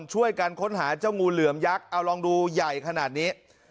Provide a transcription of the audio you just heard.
ช่วยกันค้นหาเจ้างูเหลือมยักษ์เอาลองดูใหญ่ขนาดนี้